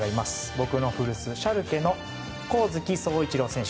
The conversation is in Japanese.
僕の古巣シャルケの上月壮一郎選手。